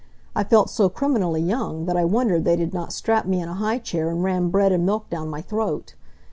I felt so criminally young that I wondered they did not strap me in a high chair and ram bread and milk down my throat.